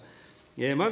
まず、